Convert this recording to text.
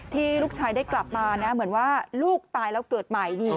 ที่ลูกชายได้กลับมานะเหมือนว่าลูกตายแล้วเกิดใหม่